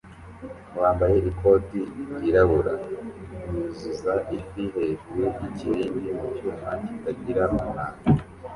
wambaye ikoti ryirabura yuzuza ifi hejuru yikibindi mu cyuma kitagira umwanda